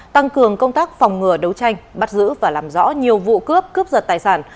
tăng cường công tác phòng ngừa đấu tranh bắt giữ và làm rõ nhiều vụ cướp cướp giật tài sản